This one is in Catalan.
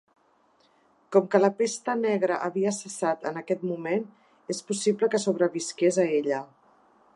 Com que la pesta negra havia cessat en aquest moment, és possible que sobrevisqués a ella.